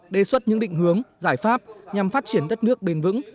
đề xuất những định hướng giải pháp nhằm phát triển đất nước bền vững